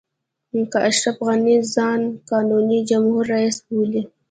که اشرف غني ځان قانوني جمهور رئیس بولي.